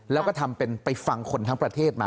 แล้วก็ทำเป็นไปฟังคนทั้งประเทศมา